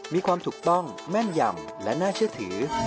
มีความถูกต้องแม่นยำและน่าเชื่อถือ